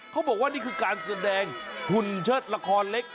เขาบอกว่านี่คือการแสดงหุ่นเชิดละครเล็ก